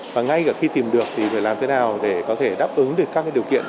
và ngay cả khi tìm được thì phải làm thế nào để có thể đáp ứng được các điều kiện